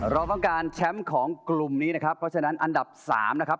เราต้องการแชมป์ของกลุ่มนี้นะครับเพราะฉะนั้นอันดับสามนะครับ